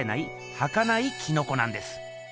はかないキノコなんです。